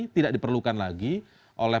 tidak diperlukan lagi oleh